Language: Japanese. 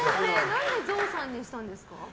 何でゾウさんにしたんですか。